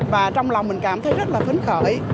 và trong lòng mình cảm thấy rất là phấn khởi